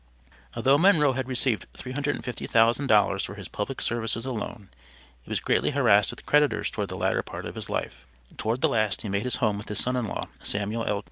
Although Monroe had received $350,000 for his public services alone, he was greatly harrassed with creditors toward the latter part of his life. Toward the last he made his home with his son in law, Samuel L.